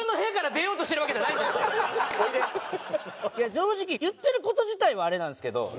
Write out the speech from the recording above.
正直言ってる事自体はあれなんですけど。